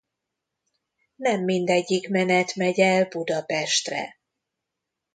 Nem mindegyik menet megy el Budapestre.